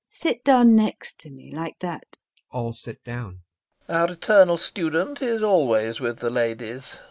Sit down next to me, like that. [All sit down.] LOPAKHIN. Our eternal student is always with the ladies.